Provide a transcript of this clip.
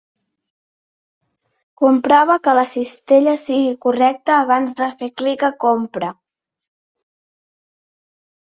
Comprova que la cistella sigui correcta abans de fer clic a "Compra".